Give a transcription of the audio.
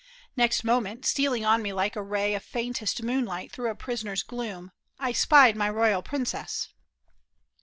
Next moment, stealing on me like a ray Of faintest moonlight through a prison's gloom, I spied my royal princess.